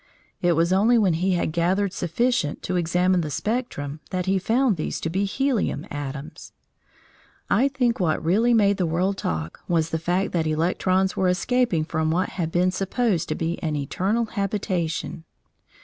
It was only when he had gathered sufficient to examine the spectrum that he found these to be helium atoms. I think what really made the world talk was the fact that electrons were escaping from what had been supposed to be an eternal habitation.